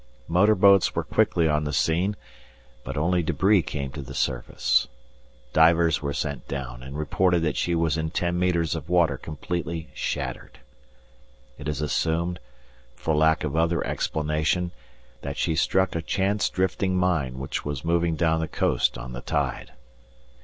Motor boats were quickly on the scene, but only debris came to the surface. Divers were sent down, and reported that she was in ten metres of water completely shattered. It is assumed, for lack of other explanation, that she struck a chance drifting mine which was moving down the coast on the tide.